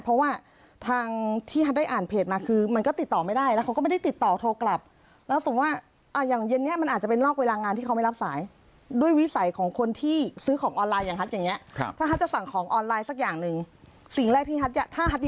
เพราะว่าทางที่ฮัตได้อ่านเพจมาคือมันก็ติดต่อไม่ได้แล้วเขาก็ไม่ได้ติดต่อโทรกลับ